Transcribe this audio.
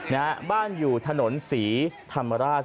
เนี่ยบ้านอยู่ถนนศรีถามราช